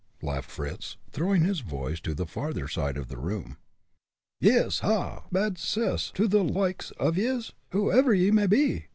laughed Fritz, throwing his voice to the farther side of the room. "Yis, ha! ha! bad 'cess to the loikes av yez, whoever ye may be!"